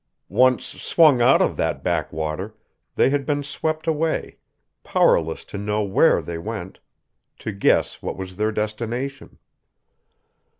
Once swung out of that backwater they had been swept away, powerless to know where they went, to guess what was their destination.